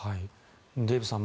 デーブさん